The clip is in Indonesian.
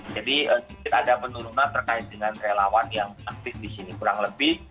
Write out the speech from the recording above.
jadi ada penurunan terkait dengan relawan yang aktif disini kurang lebih